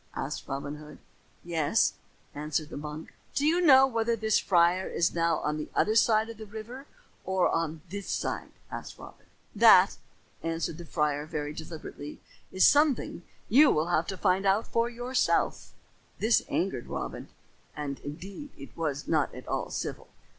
asked Robin Hood. "Yes," answered the monk. "Do you know whether this friar is now on the other side of the river or on this side?" asked Robin. "That," answered the friar very deliberately, "is something you will have to find out for yourself." This angered Robin, and indeed it was not at all civil.